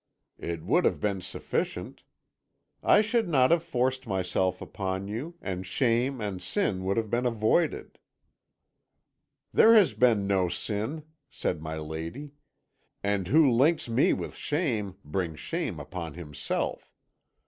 It would have been sufficient. I should not have forced myself upon you, and shame and sin would have been avoided.' "'There has been no sin,' said my lady, 'and who links me with shame brings shame upon himself.